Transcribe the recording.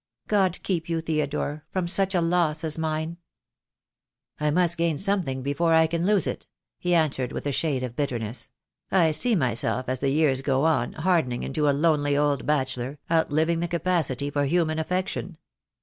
God keep you, Theo dore, from such a loss as mine!" "I must gain something before I can lose it," he an swered, with a shade of bitterness. "I see myself, as the years go on, hardening into a lonely old bachelor, out living the capacity for human affection."